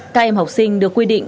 các em học sinh được quy định